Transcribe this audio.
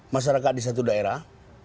masyarakat di satu daerah